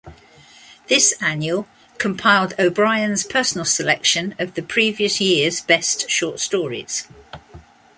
This annual compiled O'Brien's personal selection of the previous year's best short stories.